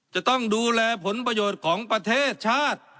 จะต้องดูแลผลประโยชน์ของประเทศชาติ